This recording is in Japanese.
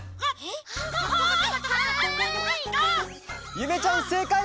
ゆめちゃんせいかい！